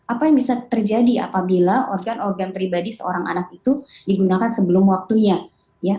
apa yang bisa terjadi apabila organ organ pribadi seorang anak itu digunakan sebelum waktunya ya